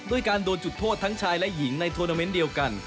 สำหรับทีมชายและหญิงในทูลนาเม้นเดียวกัน